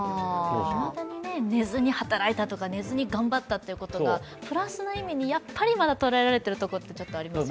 いまだに寝ずに働いたとか寝ずに頑張ったとかプラスな意味に、まだ捉えられているところがありますよね。